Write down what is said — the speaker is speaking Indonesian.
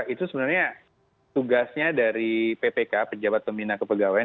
itu sebenarnya tugasnya dari ppk pejabat pembina kepegawaian